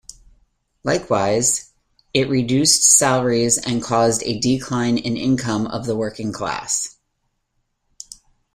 Likewise, it reduced salaries and caused a decline in income of the working class.